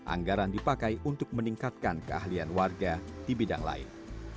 anggaran dipakai untuk meningkatkan keahlian warga di bidang lain